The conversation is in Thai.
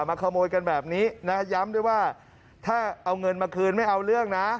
มาขโมยกันแบบนี้นะย้ำด้วยว่าถ้าเอาเงินมาคืนไม่เอาเรื่องนะ